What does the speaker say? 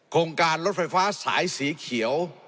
โครงการรถไฟฟ้าสายสีเขียว